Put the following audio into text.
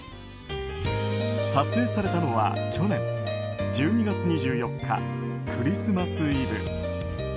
撮影されたのは去年１２月２４日クリスマスイブ。